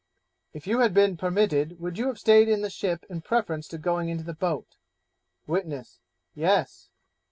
'If you had been permitted, would you have stayed in the ship in preference to going into the boat?' Witness 'Yes.'